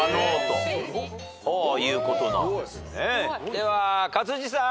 では勝地さん。